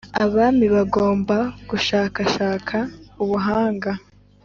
Abami bagomba gushakashaka ubuhanga